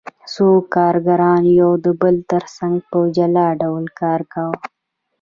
څو کارګرانو یو د بل ترڅنګ په جلا ډول کار کاوه